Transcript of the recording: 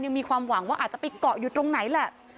มีความหวังว่าอาจจะไปเกาะอยู่ตรงไหนแหละ